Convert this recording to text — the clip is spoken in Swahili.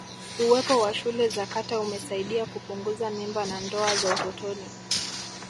uwepo wa shule za kata umesaidia kupunguza mimba na ndoa za utotoni